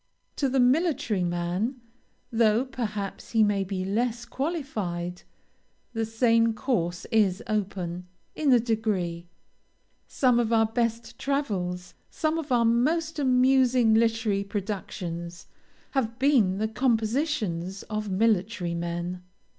To the military man, though perhaps he may be less qualified, the same course is open, in a degree. Some of our best travels, some of our most amusing literary productions, have been the compositions of military men.